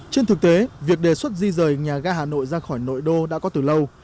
trên thực tế việc đề xuất di rời nhà ga hà nội ra khỏi nội đô đã có từ lâu